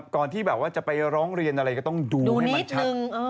ก่อนที่แบบว่าจะไปร้องเรียนอะไรก็ต้องดูให้มันชัด